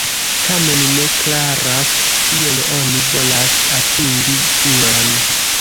Tamen ne klaras, kiel oni volas atingi tion.